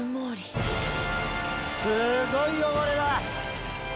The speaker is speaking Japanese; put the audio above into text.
すごい汚れだ。